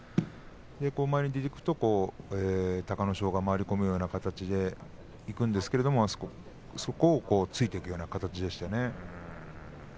前に出ていくと隆の勝が回り込むような形でいくんですけれどもそこを突いていくような形でしたね。